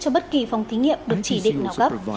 cho bất kỳ phòng thí nghiệm được chỉ định nào cấp